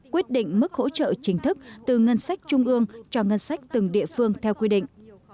quyết định mức hỗ trợ chính thức từ ngân sách trung ương cho ngân sách từng địa phương theo quy định